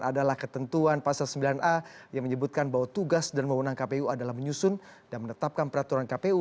adalah ketentuan pasal sembilan a yang menyebutkan bahwa tugas dan mewenang kpu adalah menyusun dan menetapkan peraturan kpu